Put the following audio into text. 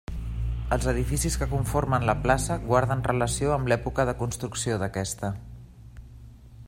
Els edificis que conformen la plaça guarden relació amb l'època de construcció d'aquesta.